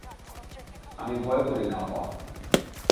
আমি ভয় করি না আপা।